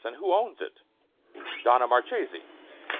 And who owns it?" "Donna Marchesi."